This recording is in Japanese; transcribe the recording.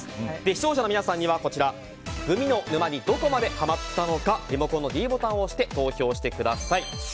視聴者の皆さんにはグミの沼にどこまでハマったのかリモコンのｄボタンを押して投票してください。